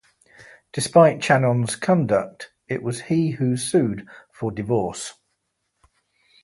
Despite Channon's conduct, it was he who sued for divorce.